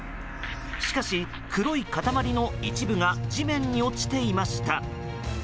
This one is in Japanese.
しかし、黒い塊の一部が地面に落ちていました。